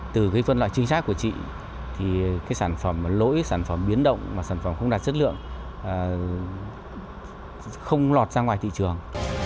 từ cái phân loại chính xác của chị thì cái sản phẩm lỗi sản phẩm biến động mà sản phẩm không đạt chất lượng không lọt ra ngoài thị trường